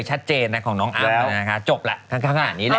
อันนี้งานช้างขึ้นทะเบียนแล้ว